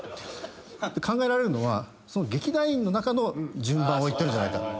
考えられるのはその劇団員の中の順番を言ってるんじゃないか。